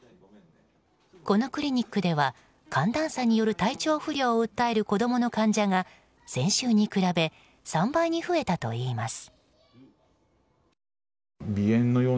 このクリニックでは寒暖差による体調不良を訴える子供の患者が先週に比べ３倍に増えたといいます。